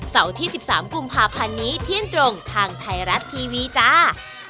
เสาร์ที่๑๓กุมภาพันนี้เที่ยนตรงทางไทยรัตน์ทีวีจ้า